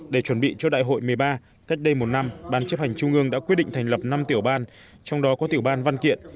để chuẩn bị cho đại hội một mươi ba cách đây một năm ban chấp hành trung ương đã quyết định thành lập năm tiểu ban trong đó có tiểu ban văn kiện